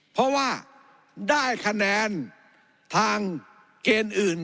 เพราะว่าได้คะแนนทางเกณฑ์อื่น